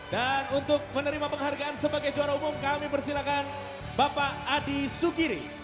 dan untuk menerima penghargaan sebagai juara umum kami persilahkan bapak adi sugiri